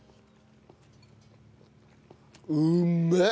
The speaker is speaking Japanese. うめえ！